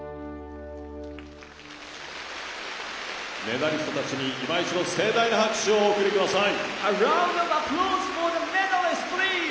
メダリストたちに今一度盛大な拍手をお送りください。